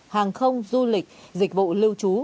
hàng không du lịch dịch vụ lưu trú